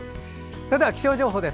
それでは気象情報です。